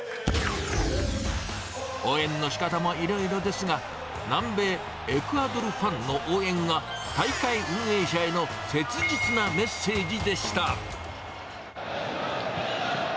応援のしかたもいろいろですが、南米エクアドルファンの応援は、大会運営者への切実なメッセージでした。